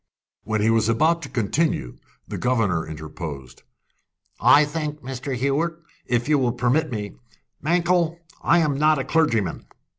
When he was about to continue, the governor interposed. "I think, Mr. Hewett, if you will permit me. Mankell, I am not a clergyman."